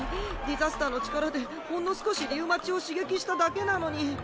「災厄」の力でほんの少しリウマチを刺激しただけなのに。